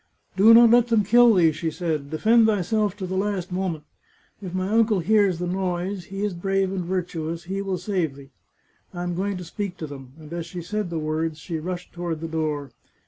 " Do not let them kill thee," she said. " Defend thyself to the last moment. If my uncle hears the noise — he is brave and virtuous — he will save thee. I am going to speak to them !" and as she said the words, she rushed toward the door.